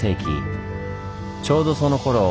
ちょうどそのころ